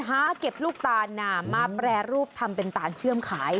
หาเก็บลูกตาลนามาแปรรูปทำเป็นตาลเชื่อมขาย